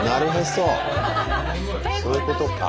そういうことか。